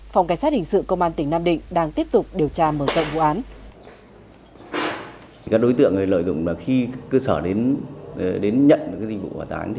phòng cảnh sát hình sự công an tỉnh nam định đang tiếp tục điều tra mở rộng vụ án